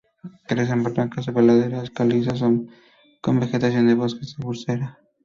Crece en barrancas sobre laderas calizas, con vegetación de bosque de Bursera.